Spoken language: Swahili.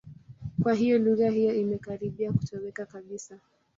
Kwa hiyo lugha hiyo imekaribia kutoweka kabisa.